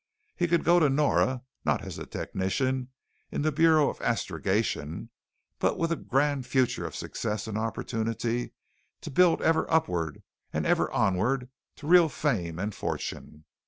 He could go to Nora, not as a technician in the Bureau of Astrogation but with a grand future of success and opportunity to build ever upward and ever onward to real fame and fortune.